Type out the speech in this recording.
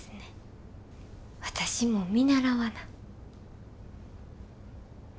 私も見習わな。